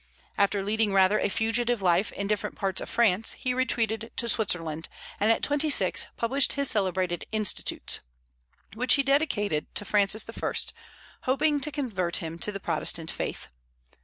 After leading rather a fugitive life in different parts of France, he retreated to Switzerland, and at twenty six published his celebrated "Institutes," which he dedicated to Francis I., hoping to convert him to the Protestant faith.